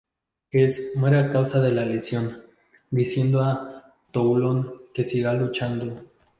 Hess muere a causa de la lesión, diciendo a Toulon que siga luchando.